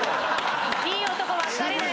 いい男ばっかりだよ。